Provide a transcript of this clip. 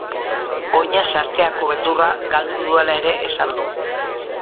Oina sarteako beldurra galdu duela ere esan du.